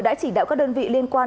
đã chỉ đạo các đơn vị liên quan